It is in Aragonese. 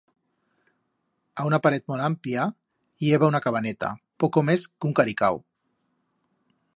A una paret molt amplla i heba una cabaneta, poco mes que un caricau.